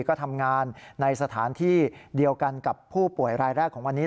ก็ทำงานในสถานที่เดียวกันกับผู้ป่วยรายแรกของวันนี้